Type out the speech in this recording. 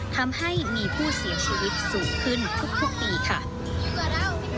ทำให้มีผู้เสียชีวิตสูงขึ้นทุกปีค่ะ